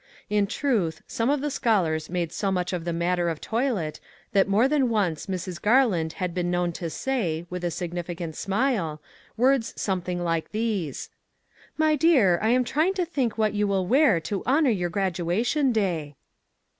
In truth, some of the scholars made so much of the matter of toilet that more than once Mrs. Garland had been known to say, with a significant smile, words something like these :" My dear, I am trying to think what you will wear to honor your graduation day